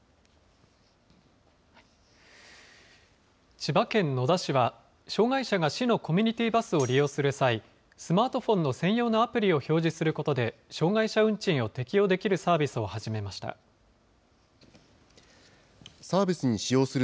千葉県野田市は、障害者が市のコミュニティバスを利用する際、スマートフォンの専用のアプリを表示することで、障害者運賃を適用できるサービスを始めました。